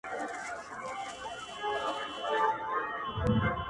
دا چي زه څه وايم، ته نه پوهېږې، څه وکمه,